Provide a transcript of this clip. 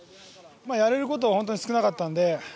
やれることは本当に少なかったので。